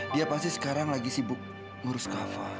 dia pasti sekarang lagi sibuk ngurus kava